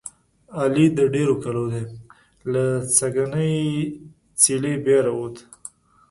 علي د ډېرو کلو دی. له سږنۍ څېلې بیا را ووت.